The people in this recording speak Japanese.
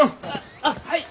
あっはい！